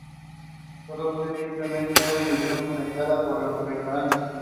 Todo es simplemente una ilusión fomentada por nuestra ignorancia.